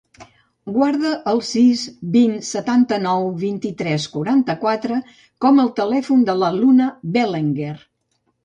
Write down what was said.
Guarda el sis, vint, setanta-nou, vint-i-tres, quaranta-quatre com a telèfon de la Luna Belenguer.